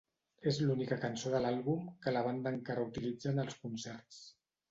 És l'única cançó de l'àlbum que la banda encara utilitza en els concerts.